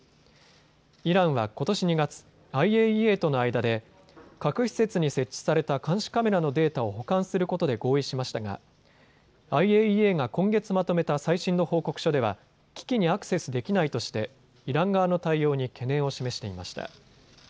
イランはことし２月、ＩＡＥＡとの間で核施設に設置された監視カメラのデータを保管することで合意しましたがＩＡＥＡは今月まとめた最新の報告書では機器にアクセスできないとしてイラン側の対応に懸念を示していました。